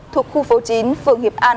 thuộc khu phố chín phương hiệp an